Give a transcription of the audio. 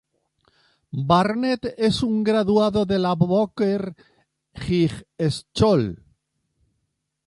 Barnett es un graduado de la Booker High School.